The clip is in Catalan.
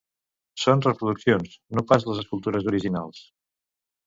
Són reproduccions, no pas les escultures originals.